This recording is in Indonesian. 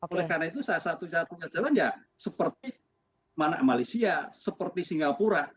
oleh karena itu satu satunya jalan ya seperti mana malaysia seperti singapura